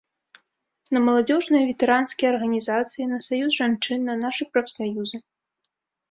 На маладзёжныя, ветэранскія арганізацыі, на саюз жанчын, на нашы прафсаюзы.